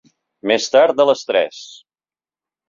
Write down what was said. Més tard de les tres.